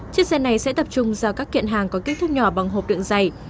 chiếc xe này sẽ tập trung giao các kiện hàng có kích thước nhỏ bằng hộp đựng dày